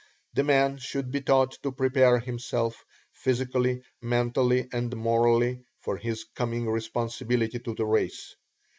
The man should be taught to prepare himself, physically, mentally, and morally, for his coming responsibility to the race.